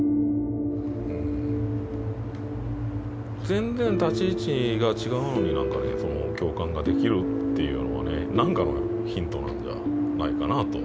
全然立ち位置が違うのになんかその共感ができるっていうのはね何かのヒントなんじゃないかぁと。